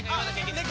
ネコ！